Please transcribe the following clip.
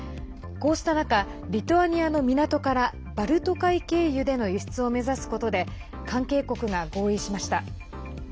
こうした中、リトアニアの港からバルト海経由での輸出を目指すことで関係国が合意しました。